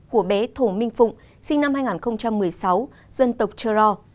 của bé thổ minh phụng sinh năm hai nghìn một mươi sáu dân tộc chơ ro